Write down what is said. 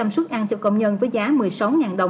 xuất ăn cho công nhân với giá một mươi sáu đồng